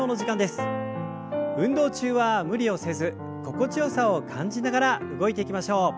運動中は無理をせず心地よさを感じながら動いていきましょう。